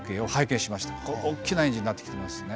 大きなエンジンになってきてますね。